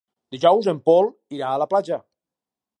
Dijous en Pol irà a la platja.